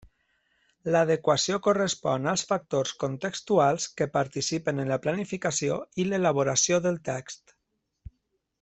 L'adequació correspon als factors contextuals que participen en la planificació i l'elaboració del text.